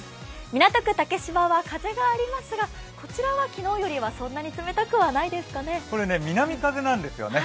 港区竹芝は風がありますが、こちらは昨日よりはそんなに冷たくはないですかね。